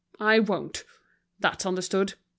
I won't! that's understood.